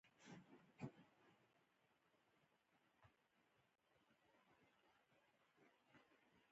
د فردوسي سیورو خوبونه د هوسیو نافي